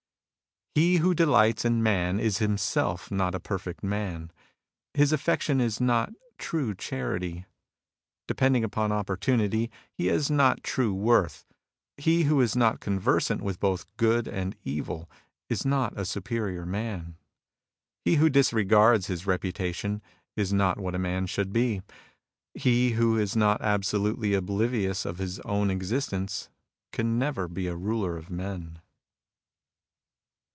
He who delights in man is himself not a perfect man. His affection is not true charity. De pending upon opportunity, he has not true worth. He who is not conversant with both good and evil is not a superior man. He who disregards his reputation is not what a man should be. He who is not absolutely oblivious of his own exist ence can never be a ruler of men.